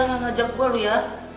lo yang ajak gue lo ya